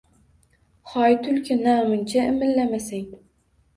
Hoy, Tulki, namuncha imillamasang?